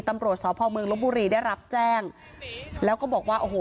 ตำรวจสพเมืองลบบุรีได้รับแจ้งแล้วก็บอกว่าโอ้โห